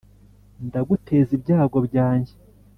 ndaguteza ibyago byanjye